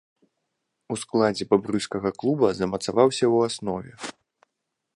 У складзе бабруйскага клуба замацаваўся ў аснове.